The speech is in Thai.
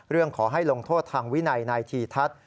ขอให้ลงโทษทางวินัยนายธีทัศน์